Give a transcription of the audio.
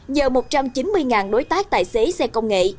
nhờ một trăm chín mươi đối tác tài xế xe công nghệ